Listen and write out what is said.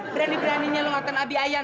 berani beraninya lo ngelakuin abi ayan